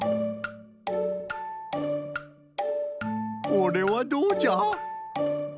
これはどうじゃ？